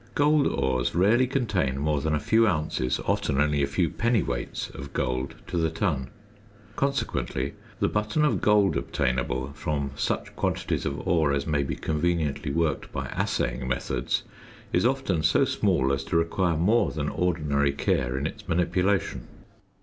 ~ Gold ores rarely contain more than a few ounces, often only a few pennyweights of gold to the ton; consequently, the button of gold obtainable from such quantities of ore as may be conveniently worked by assaying methods is often so small as to require more than ordinary care in its manipulation.